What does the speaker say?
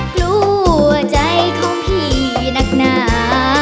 กลัวใจของพี่นักหนา